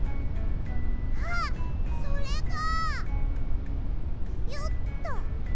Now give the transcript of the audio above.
あっそれかよっと。